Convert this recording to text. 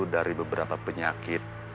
dari beberapa penyakit